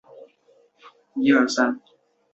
而糖及后来的染料出口稳定了该岛的出口贸易。